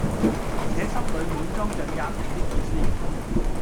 而且心裏滿裝着喫人的意思。